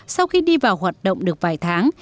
sau khi đi vào hoạt động được vài tháng